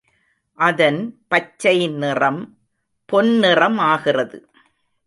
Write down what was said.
அதன் பச்சை நிறம் பொன்னிறமாகிறது.